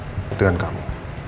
ingin bicara dengan kamu